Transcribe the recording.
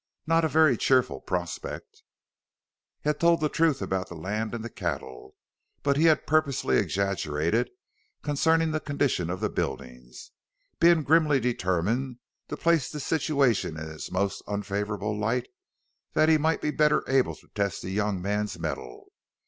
Not a very cheerful prospect?" He had told the truth about the land and the cattle, but he had purposely exaggerated concerning the condition of the buildings, being grimly determined to place the situation in its most unfavorable light that he might be the better able to test the young man's mettle.